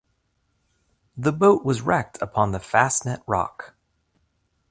The boat was wrecked upon the Fastnet rock.